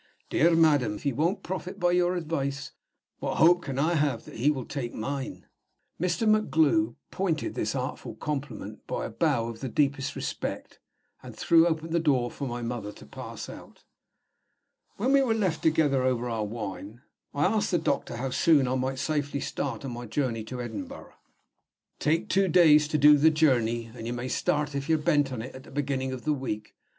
Dear madam, if he won't profit by your advice, what hope can I have that he will take mine?" Mr. MacGlue pointed this artful compliment by a bow of the deepest respect, and threw open the door for my mother to pass out. When we were left together over our wine, I asked the doctor how soon I might safely start on my journey to Edinburgh. "Take two days to do the journey, and you may start, if you're bent on it, at the beginning of the week.